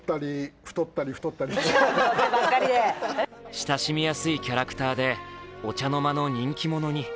親しみやすいキャラクターでお茶の間の人気者に。